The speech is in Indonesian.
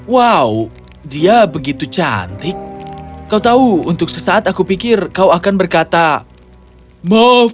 wow dia begitu cantik kau tahu untuk sesaat aku pikir kau akan berkata maaf